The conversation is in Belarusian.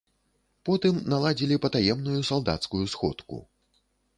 Потым наладзілі патаемную салдацкую сходку.